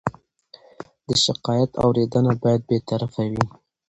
د شکایت اورېدنه باید بېطرفه وي.